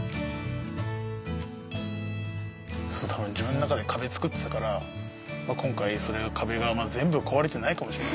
そうたまに自分の中で壁作ってたから今回それが壁が全部壊れてないかもしれないけど。